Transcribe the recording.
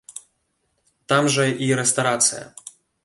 Там жа і рэстарацыя.